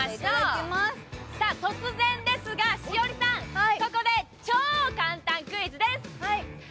突然ですが栞里さん、ここで超簡単クイズです。